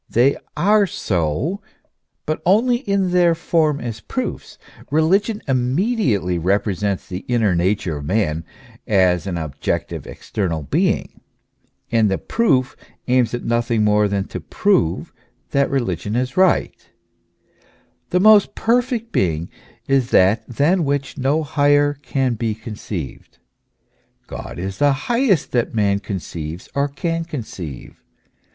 They are so ; but only in their form as proofs. Religion immediately repre sents the inner nature of man as an objective, external being. And the proof aims at nothing more than to prove that religion is right. The most perfect being is that than which no higher can be conceived : God is the highest that man conceives or can conceive.